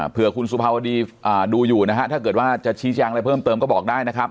เพื่อคุณสุภาวดีดูอยู่นะฮะถ้าเกิดว่าจะชี้แจงอะไรเพิ่มเติมก็บอกได้นะครับ